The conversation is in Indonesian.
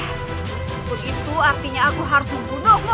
itu artinya aku harus membunuhmu